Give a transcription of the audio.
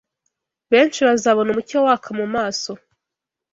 Benshi Bazabona Umucyo waka mu maso